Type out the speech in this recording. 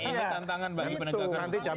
apa tantangan bagi penegakan hukum